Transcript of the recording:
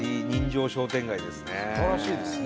すばらしいですね。